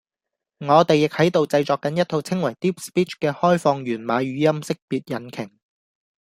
我哋亦喺度製作緊一套稱為 Deep Speech 嘅開放源碼語音識別引擎